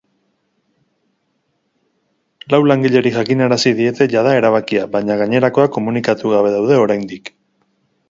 Lau langileri jakinarazi diete jada erabakia, baina gainerakoak komunikatu gabe daude oraindik.